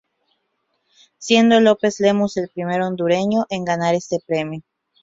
Siendo López Lemus el primer hondureño en ganar este premio.